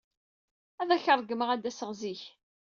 Ad ak-ṛeggmeɣ ad d-aseɣ zik.